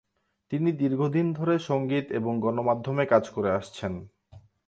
তিনি দীর্ঘ দিন ধরে সঙ্গীত এবং গণমাধ্যমে কাজ করে আসছেন।